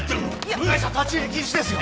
部外者は立ち入り禁止ですよ！